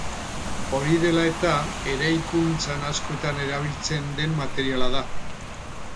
Hori dela eta eraikuntzan askotan erabiltzen den materiala da.